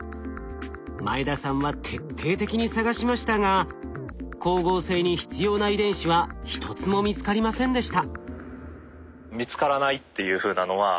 前田さんは徹底的に探しましたが光合成に必要な遺伝子は１つも見つかりませんでした。